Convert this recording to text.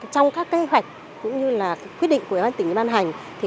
trong các kế hoạch cũng như quyết định của ủy ban nhân tỉnh ban hành